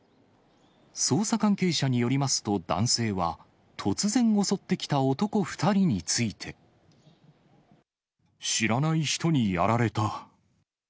捜査関係者によりますと、男性は、知らない人にやられた。